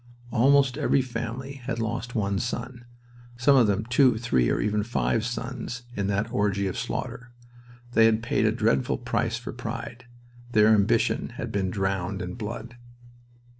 Almost every family had lost one son. Some of them two, three, even five sons, in that orgy of slaughter. They had paid a dreadful price for pride. Their ambition had been drowned in blood.